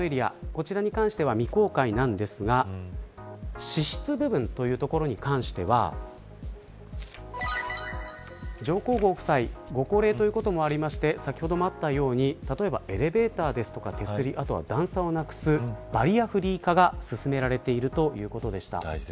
こちらに関しては未公開なんですが私室部分というところに関しては上皇ご夫妻ご高齢ということもありまして先ほどもあったようにエレベーターや手すりあとは段差をなくすバリアフリー化が進められているということでした。